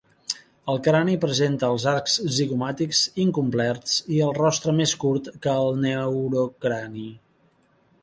El crani presenta els arcs zigomàtics incomplets i el rostre més curt que el neurocrani.